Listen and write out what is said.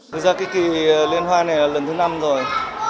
thực ra cái kỳ liên hoan này là lần thứ năm rồi